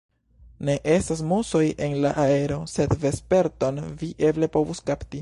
Ne estas musoj en la aero, sed vesperton vi eble povus kapti.